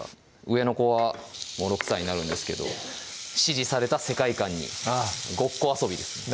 上の子はもう６歳になるんですけど指示された世界観にごっこ遊びですね